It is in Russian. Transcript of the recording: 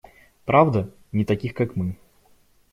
Правда, не таких как мы.